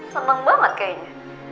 seneng banget kayaknya